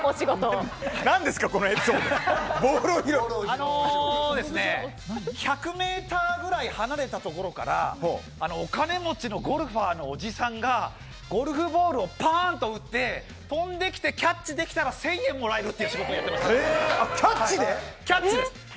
あのですね１００ｍぐらい離れたところからお金持ちのゴルファーのおじさんがゴルフボールをパーンと打って飛んできてキャッチできたら１０００円もらえるというキャッチで？